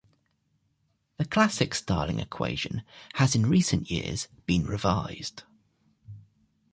The classic Starling equation has in recent years been revised.